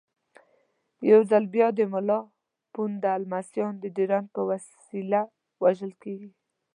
یو ځل بیا د ملا پوونده لمسیان د ډیورنډ په وسیله وژل کېږي.